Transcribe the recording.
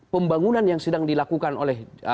pembangunan yang sedang dilakukan oleh